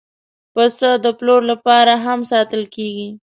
پسه د پلور لپاره هم ساتل کېږي.